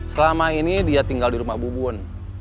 selama ini dia tinggal di rumah bubun